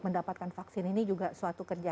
mendapatkan vaksin ini juga suatu kerja